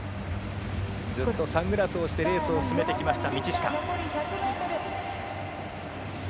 ずっとサングラスをしてレースを進めてきました道下。